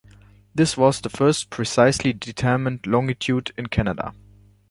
This was the first precisely determined longitude in Canada.